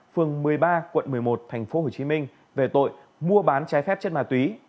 phường một mươi ba quận một mươi một tp hcm về tội mua bán trái phép chất ma túy